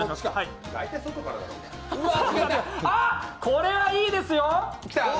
これはいいですよ！